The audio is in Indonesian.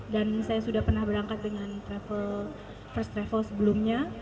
dan saya sudah pernah berangkat dengan travel first travel sebelumnya